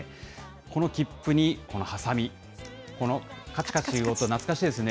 このきっぷにこのはさみ、このかちかちいう音、懐かしいですね。